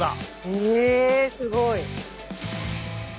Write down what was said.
えすごい！